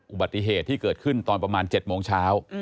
อุบัติเหตุที่เกิดขึ้นตอนประมาณ๗โมงเช้า